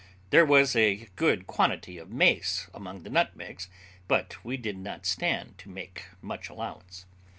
There was a good quantity of mace among the nutmegs, but we did not stand to make much allowance.